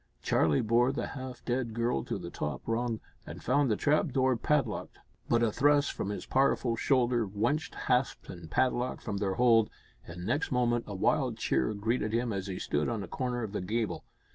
Charlie bore the half dead girl to the top rung, and found the trap door padlocked, but a thrust from his powerful shoulder wrenched hasp and padlock from their hold, and next moment a wild cheer greeted him as he stood on a corner of the gable.